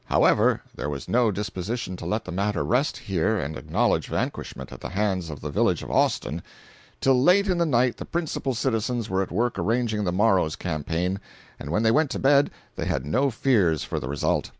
However, there was no disposition to let the matter rest here and acknowledge vanquishment at the hands of the village of Austin. Till late in the night the principal citizens were at work arranging the morrow's campaign, and when they went to bed they had no fears for the result.